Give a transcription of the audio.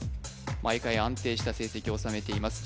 毎回安定した成績を収めています